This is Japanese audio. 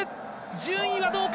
順位はどうか。